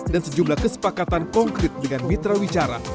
dan sejumlah kesepakatan konkret dengan mitra wicara